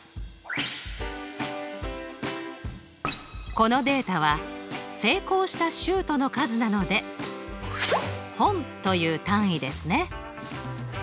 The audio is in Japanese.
このデータは成功したシュートの数なので本という単位ですね。